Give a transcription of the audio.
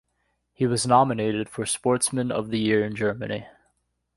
He was nominated for Sportsman of the Year in Germany.